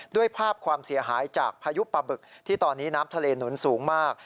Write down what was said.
ด้วยภาพความเสียหายจากพายุปะบึกที่ตอนนี้น้ำทะเลหนุนสูงมาก